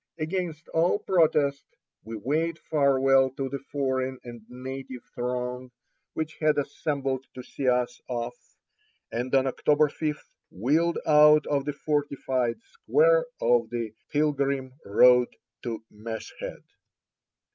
Against all protest, we waved "farewell" to the foreign and native throng which had assembled to see us off, and on October 5 wheeled out of the fortified square on the "Pilgrim Road to Meshed."